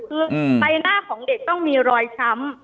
แต่คุณยายจะขอย้ายโรงเรียน